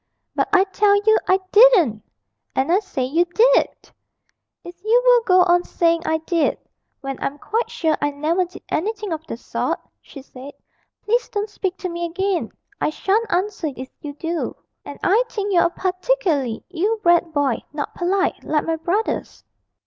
'But I tell you I didn't! 'And I say you did!' 'If you will go on saying I did, when I'm quite sure I never did anything of the sort,' she said, 'please don't speak to me again; I shan't answer if you do. And I think you're a particularly ill bred boy not polite, like my brothers.'